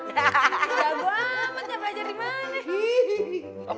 nyak gue amat nyampe aja dimana